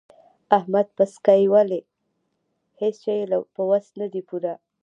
احمد پسکۍ ولي؛ هيڅ شی يې په وس نه دی پوره.